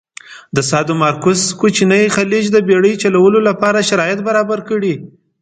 د سادومارکوس کوچینی خلیج د بېړی چلولو لپاره شرایط برابر کړي.